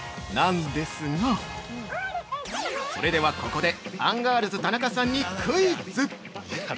なんですがそれでは、ここでアンガールズ田中さんにクイズ！